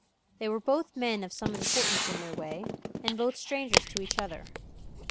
They were both men of some importance in their way, and both strangers to each other. Mr.